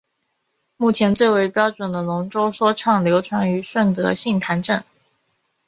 目前最为标准的龙舟说唱流传于顺德杏坛镇。